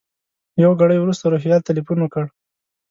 یو ګړی وروسته روهیال تیلفون وکړ.